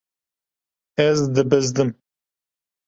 Ez dibizdim.